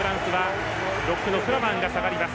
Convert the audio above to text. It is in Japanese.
ロックのフラマンが下がります。